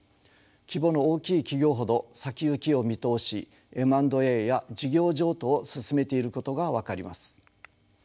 規模の大きい企業ほど先行きを見通しＭ＆Ａや事業譲渡を進めていることが分かります。